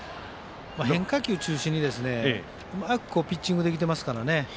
変化球中心に、うまくピッチングできてますからね。